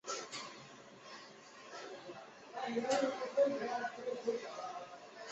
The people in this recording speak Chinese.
这张专辑充满了现代摇滚的元素。